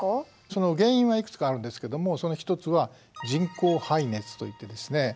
その原因はいくつかあるんですけどもその一つは人工排熱といってですね